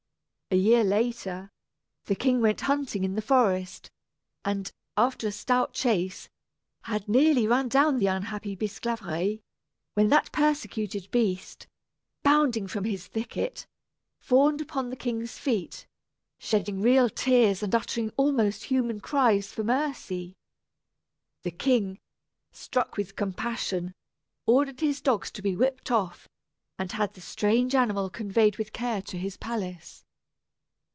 A year later, the king went hunting in the forest, and, after a stout chase, had nearly run down the unhappy Bisclaveret, when that persecuted beast, bounding from his thicket, fawned upon the king's feet, shedding real tears and uttering almost human cries for mercy. The king, struck with compassion, ordered his dogs to be whipped off, and had the strange animal conveyed with care to his palace.